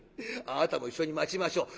あなたも一緒に待ちましょう。